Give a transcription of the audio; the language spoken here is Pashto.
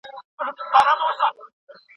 ناروغان د تشخیص دمخه اندېښنه لري.